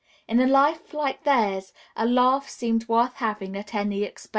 In a life like theirs a laugh seemed worth having at any expense.